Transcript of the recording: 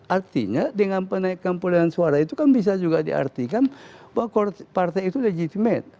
artinya dengan penaikan perolehan suara itu kan bisa juga diartikan bahwa partai itu legitimate